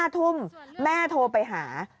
๕ทุ่มแม่โทรไปหา